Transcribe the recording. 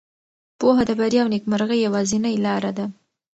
پوهه د بریا او نېکمرغۍ یوازینۍ لاره ده.